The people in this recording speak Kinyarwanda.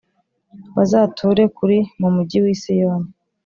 Bazature kuri mu mujyi wi Siyoni.